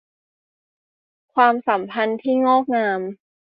ความสัมพันธ์ที่งอกงาม